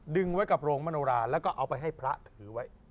ไว้กับโรงมโนราแล้วก็เอาไปให้พระถือไว้